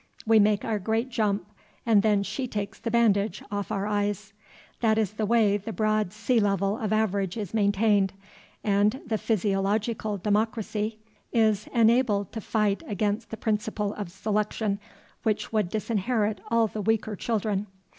We make our great jump, and then she takes the bandage off our eyes. That is the way the broad sea level of average is maintained, and the physiological democracy is enabled to fight against the principle of selection which would disinherit all the weaker children.